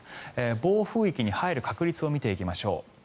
暴風域に入る確率を見ていきましょう。